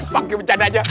pake bencana aja